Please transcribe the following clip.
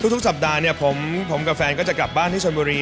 ทุกสัปดาห์เนี่ยผมกับแฟนก็จะกลับบ้านที่ชนบุรี